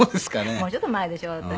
「もうちょっと前でしょ私」